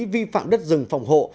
vi phạm đất rừng phòng hộ